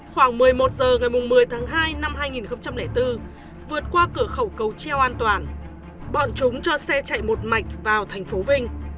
khoảng một mươi một h ngày một mươi tháng hai năm hai nghìn bốn vượt qua cửa khẩu cầu treo an toàn bọn chúng cho xe chạy một mạch vào thành phố vinh